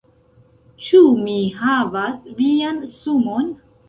Ĉu mi havas vian sumon?